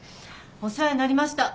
お世話になりました。